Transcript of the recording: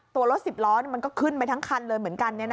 ตัวรถ๑๐ล้อมันก็ขึ้นไปทั้งคันเลยเหมือนกัน